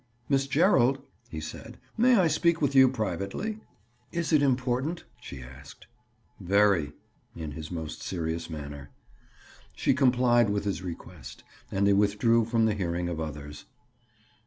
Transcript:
"Miss Gerald," he said, "may I speak with you privately?" "Is it important?" she asked. "Very!" in his most serious manner. She complied with his request, and they withdrew from the hearing of others.